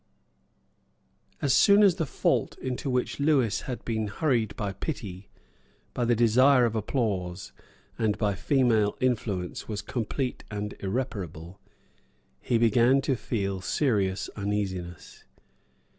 As soon as the fault into which Lewis had been hurried by pity, by the desire of applause, and by female influence was complete and irreparable, he began to feel serious uneasiness.